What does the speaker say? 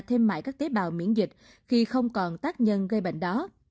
thêm mãi các tế bào miễn dịch khi không còn tác nhân gây bệnh đó